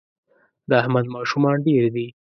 د احمد ماشومان ډېر دي